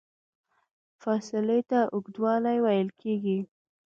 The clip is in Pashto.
فاصلې ته اوږدوالی ویل کېږي.